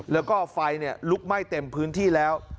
แล้วก็ไฟลุกไหม้เต็มพื้นที่แล้ว